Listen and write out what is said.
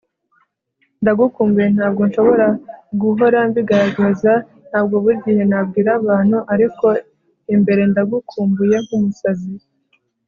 ndagukumbuye ntabwo nshobora guhora mbigaragaza, ntabwo buri gihe nabwira abantu, ariko imbere ndagukumbuye nkumusazi